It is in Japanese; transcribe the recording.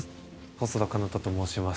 細田佳央太と申します。